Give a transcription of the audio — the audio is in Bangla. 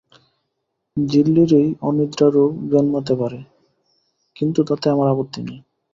ঝিল্লিরই অনিদ্রারোগ জন্মাতে পারে, কিন্তু তাতে আমার আপত্তি নেই।